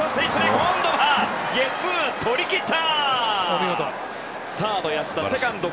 今度はゲッツーとりきった。